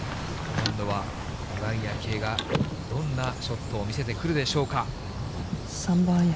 今度は、岩井明愛がどんなショットを見せてくるでしょうか。